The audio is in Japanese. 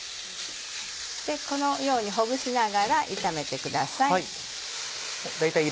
でこのようにほぐしながら炒めてください。